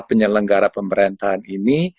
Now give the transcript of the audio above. penyelenggara pemerintahan ini